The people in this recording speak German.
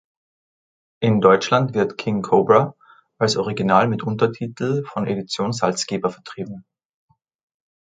In Deutschland wird "King Cobra" als Original mit Untertitel von Edition Salzgeber vertrieben.